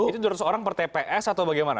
itu dua ratus orang per tps atau bagaimana